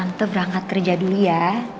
tante berangkat kerja dulu ya